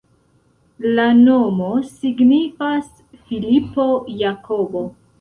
La nomo signifas Filipo-Jakobo.